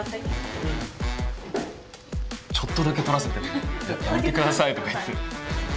ちょっとだけ撮らせて「やめてください」とか言って。